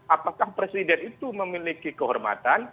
apakah presiden itu memiliki kehormatan